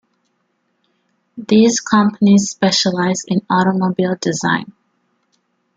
These companies specialize in automobile design.